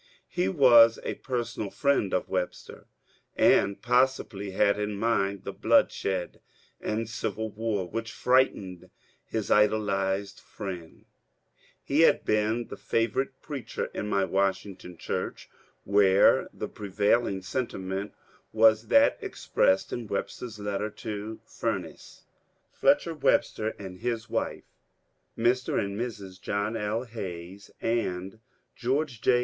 He was a personal friend of Web ster, and possibly had in mind the ^^ bloodshed and civil war," which frightened his idolized friend. He had been the favourite preacher in my Washington church, where the pre vailing sentiment was that expressed in Webster's letter to Fumess. Fletcher Webster and his wife, Mr. and Mrs. John L. Hayes, and George J.